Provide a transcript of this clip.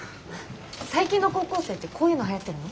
最近の高校生ってこういうのはやってるの？